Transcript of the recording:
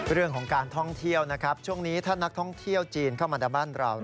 เรื่องของการท่องเที่ยวนะครับช่วงนี้ถ้านักท่องเที่ยวจีนเข้ามาในบ้านเรา